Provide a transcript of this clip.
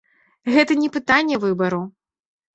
Гэта не пытанне выбару.